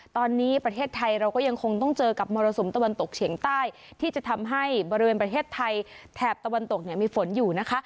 ตอนนี้ประเทศไทยเราก็ยังคงต้องเจอกับมรสุมตะวันตกเฉียงใต้ที่จะทำให้บริเวณประเทศไทยแถบตะวันตกเนี่ยมีฝนอยู่นะคะ